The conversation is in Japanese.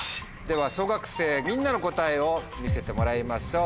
では小学生みんなの答えを見せてもらいましょう。